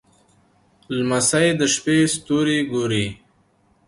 لمسی د شپې ستوري ګوري.